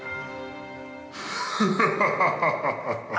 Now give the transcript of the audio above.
◆フハハハハハ！